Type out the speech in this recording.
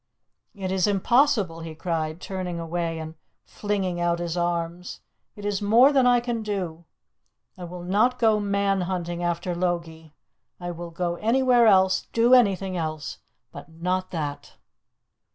_" "It is impossible!" he cried, turning away and flinging out his arms. "It is more than I can do! I will not go man hunting after Logie. I will go anywhere else, do anything else, but not that!"